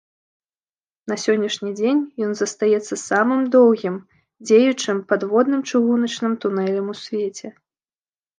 На сённяшні дзень ён застаецца самым доўгім дзеючым падводным чыгуначным тунэлем у свеце.